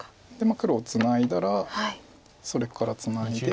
黒ツナいだらそれからツナいで。